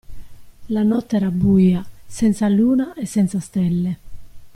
La notte era buia, senza luna e senza stelle.